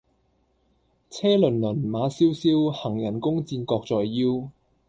車轔轔，馬蕭蕭，行人弓箭各在腰。